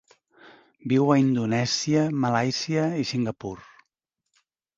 Viu a Indonèsia, Malàisia i Singapur.